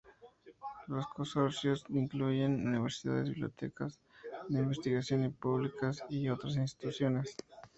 Los consorcios incluyen universidades, bibliotecas de investigación y públicas, y otras instituciones.